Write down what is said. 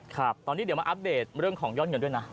ครับตอนนี้เดี๋ยวมาอัปเดตเรื่องของยอดเงินด้วยนะ